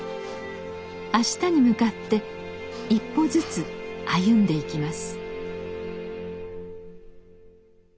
あしたに向かって一歩ずつ歩んでいきます。